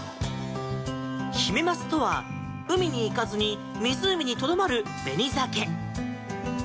ヒメマスとは、海に行かずに湖にとどまるベニザケ。